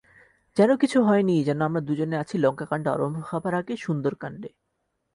যেন কিছু হয় নি, যেন আমরা দুজনে আছি লঙ্কাকাণ্ড আরম্ভ হবার আগে সুন্দরকাণ্ডে।